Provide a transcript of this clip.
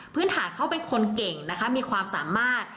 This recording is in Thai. ฐานเขาเป็นคนเก่งนะคะมีความสามารถ